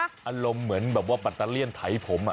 อารมณ์เหมือนแบบว่าปัตตาเลี่ยนไถผม